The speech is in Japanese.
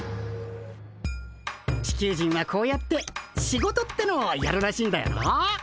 チキュウジンはこうやって「シゴト」ってのをやるらしいんだよな。